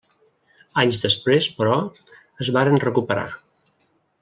Anys després, però, es varen recuperar.